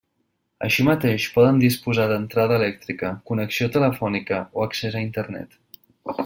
Així mateix, poden disposar d'entrada elèctrica, connexió telefònica o accés a Internet.